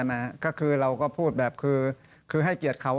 นะฮะก็คือเราก็พูดแบบคือให้เกียรติเขา